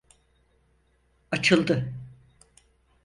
Açıldı!